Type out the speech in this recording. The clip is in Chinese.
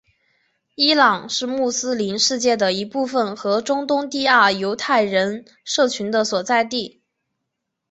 伊朗是穆斯林世界的一部分和中东第二大犹太人社群的所在地。